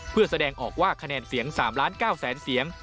เพื่อแสดงออกว่าคะแนนเสียง๓ล้าน๙แสนเสียง